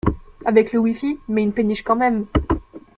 Avec le wifi, mais une péniche quand même.